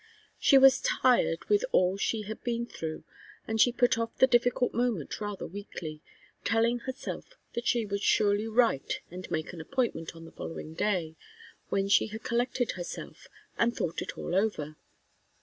She was tired with all she had been through, and she put off the difficult moment rather weakly, telling herself that she would surely write and make an appointment on the following day, when she had collected herself and thought it all over.